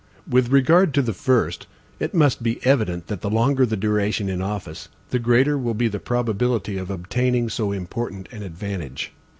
With regard to the first, it must be evident, that the longer the duration in office, the greater will be the probability of obtaining so important an advantage.